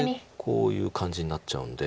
こういう感じになっちゃうんで。